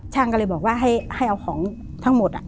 ก็เลยบอกว่าให้เอาของทั้งหมด